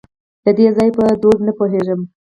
د دې ځای په دود نه پوهېږم .